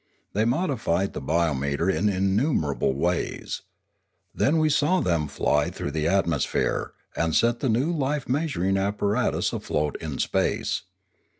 They modi fied the biometer in innumerable ways. Then we saw them fly though the atmosphere, and set the new life measuring apparatus afloat in space.